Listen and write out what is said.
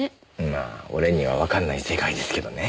まあ俺にはわかんない世界ですけどね。